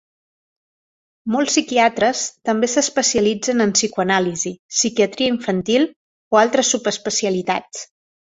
Molts psiquiatres també s'especialitzen en psicoanàlisi, psiquiatria infantil o altres subespecialitats.